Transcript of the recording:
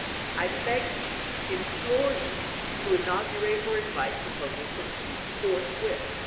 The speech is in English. I beg you, implore you, to inaugurate or invite pro posals for peace forthwith.